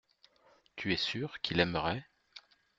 Tu es sûr qu’il aimerait.